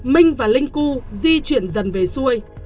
minh và linh cưu di chuyển dần về xuôi